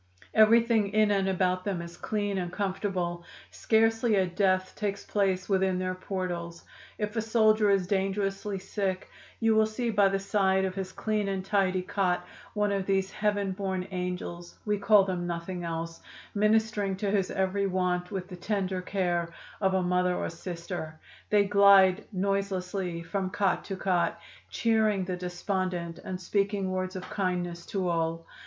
Everything in and about them is clean and comfortable; scarcely a death takes place within their portals. If a soldier is dangerously sick you will see by the side of his clean and tidy cot one of these heaven born 'angels' (we call them nothing else), ministering to his every want with the tender care of a mother or sister. They glide noiselessly from cot to cot cheering the despondent and speaking words of kindness to all.